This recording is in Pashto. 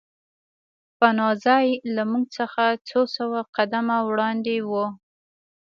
پناه ځای له موږ څخه څو سوه قدمه وړاندې و